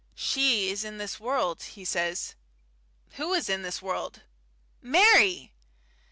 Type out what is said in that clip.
"She is in this world," he says. "Who is in this world?" "Mary!"